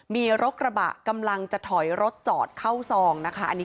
มีรถกระบะกำลังจะถอยรถจอดเข้าซองนะคะ